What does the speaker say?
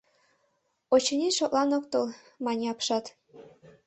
— Очыни, шотлан ок тол, — мане апшат.